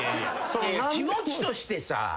気持ちとしてさ。